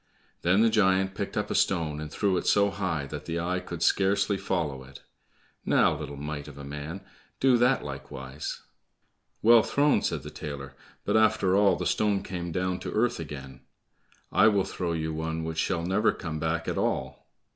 Then the giant picked up a stone and threw it so high that the eye could scarcely follow it. "Now, little mite of a man, do that likewise." "Well thrown," said the tailor, "but after all the stone came down to earth again; I will throw you one which shall never come back at all."